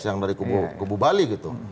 yang dari kubu bali